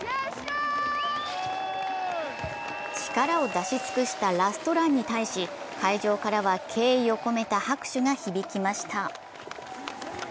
力を出し尽くしたラストランに対し、会場からは敬意を込めた拍手が響きました。